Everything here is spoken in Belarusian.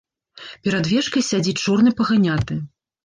Перад вежкай сядзіць чорны паганяты.